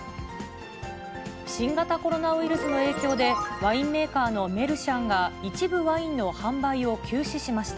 新型コロナウイルスの影響で、ワインメーカーのメルシャンが、一部ワインの販売を休止しました。